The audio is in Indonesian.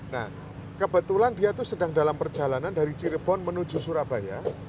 nah kebetulan dia itu sedang dalam perjalanan dari cirebon menuju surabaya